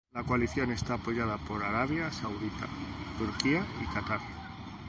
La coalición está apoyada por Arabia Saudita, Turquía y Catar.